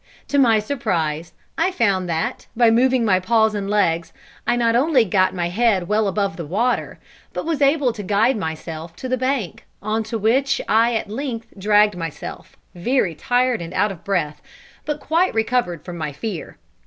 To my surprise I found that, by moving my paws and legs, I not only got my head well above the water, but was able to guide myself to the bank, on to which I at length dragged myself, very tired and out of breath, but quite recovered from my fear.